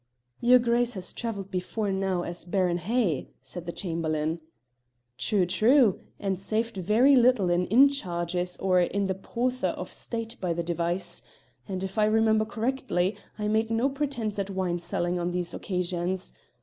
"Your Grace has travelled before now as Baron Hay," said the Chamberlain. "True! true! and saved very little either in inn charges or in the pother of State by the device. And if I remember correctly, I made no pretence at wine selling on these occasions.